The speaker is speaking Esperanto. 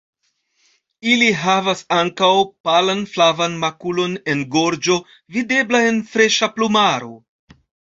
Ili havas ankaŭ palan flavan makulon en gorĝo videbla en freŝa plumaro.